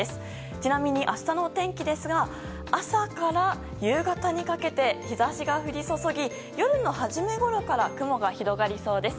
ちなみに明日のお天気ですが朝から夕方にかけて日差しが降り注ぎ夜の初めごろから雲が広がりそうです。